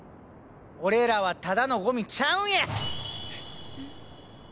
俺らはただのゴミちゃうんや！